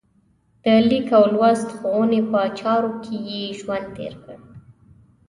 د لیک او لوست ښوونې په چارو کې یې ژوند تېر کړ.